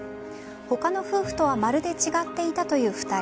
他の夫婦とはまるで違っていたという２人。